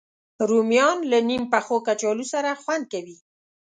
رومیان له نیم پخو کچالو سره خوند کوي